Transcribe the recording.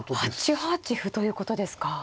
８八歩ということですか。